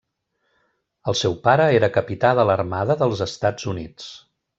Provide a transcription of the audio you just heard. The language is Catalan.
El seu pare era capità de l'Armada dels Estats Units.